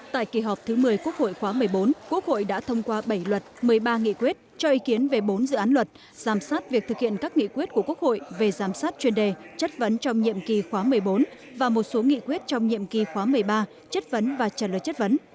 tại kỳ họp thứ một mươi quốc hội khóa một mươi bốn quốc hội đã thông qua bảy luật một mươi ba nghị quyết cho ý kiến về bốn dự án luật giám sát việc thực hiện các nghị quyết của quốc hội về giám sát chuyên đề chất vấn trong nhiệm kỳ khóa một mươi bốn và một số nghị quyết trong nhiệm kỳ khóa một mươi ba chất vấn và trả lời chất vấn